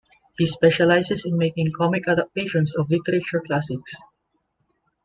He specializes in making comic adaptations of literature classics.